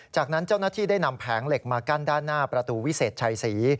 จากนั้นเจ้าหน้าที่ได้นำแผงเหล็กมากั้นด้านหน้าประตูวิเศษชัยศรี